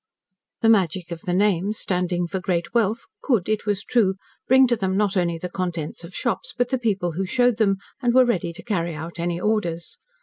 The magic of the name, standing for great wealth, could, it was true, bring to them, not only the contents of shops, but the people who showed them, and were ready to carry out any orders.